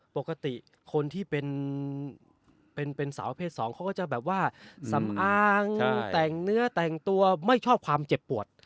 ปกติคนที่เป็นสาวเพศสองเขาก็จะแบบว่าสำอางแต่งเนื้อแต่งตัวไม่ชอบความเจ็บปวด